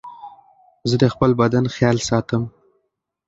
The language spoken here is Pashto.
زه د خپل بدن خيال ساتم.